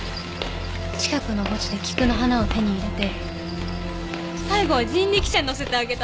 近くの墓地で菊の花を手に入れて最後は人力車に乗せてあげたの。